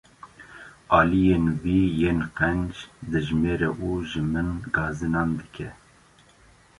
Aliyên wî yên qenc dijmêre û ji min gazinan dike.